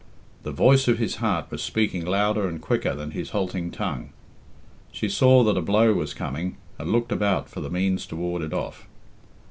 The voice of his heart was speaking louder and quicker than his halting tongue. She saw that a blow was coming, and looked about for the means to ward it off.